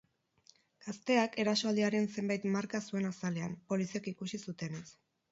Gazteak erasoaldiaren zenbait marka zuen azalean, poliziek ikusi zutenez.